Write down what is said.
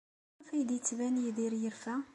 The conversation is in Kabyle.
Maɣef ay la d-yettban Yidir yerfa?